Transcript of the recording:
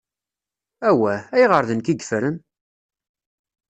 Awah! Ayɣer d nekk i yefren?